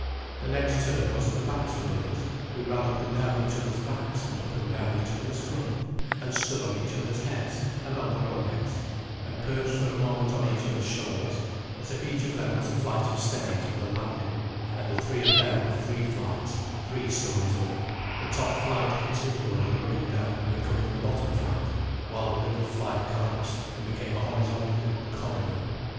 The next turn was The Baxter Brothers, who ran up and down each other's backs and up and down each other's front, and stood on each other's heads and on their own heads, and perched for a moment on each other's shoulders, as if each of them was a flight of stairs with a landing, and the three of them were three flights, three storeys up, the top flight continually running down and becoming the bottom flight, while the middle flight collapsed and became a horizontal corridor.